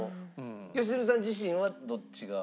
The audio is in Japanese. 良純さん自身はどっちが？